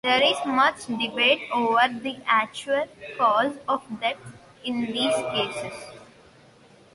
There is much debate over the actual "cause" of death in these cases.